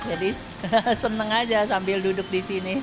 jadi senang aja sambil duduk di sini